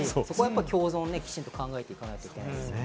共存をしっかり考えていかなきゃいけないですよね。